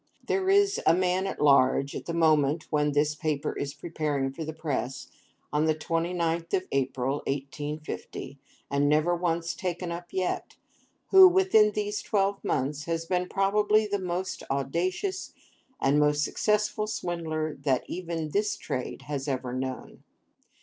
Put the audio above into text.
There is a man at large, at the moment when this paper is preparing for the press (on the 29th of April, 1850), and never once taken up yet, who, within these twelvemonths, has been probably the most audacious and the most successful swindler that even this trade has ever known.